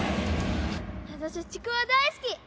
私ちくわ大好き！